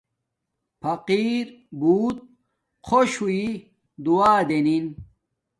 فقیر بوت خوش ہوݵ دعا دنین